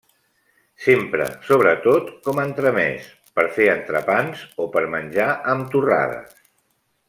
S’empra sobretot com a entremès, per fer entrepans o per menjar amb torrades.